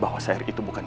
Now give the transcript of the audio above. ber dollam pelanggan